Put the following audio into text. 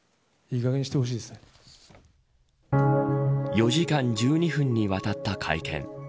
４時間１２分にわたった会見。